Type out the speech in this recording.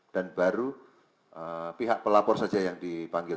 dan baru pihak pelapor saja yang dipanggil